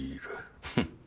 フッ。